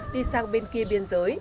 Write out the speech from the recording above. đi sang bên kia biên giới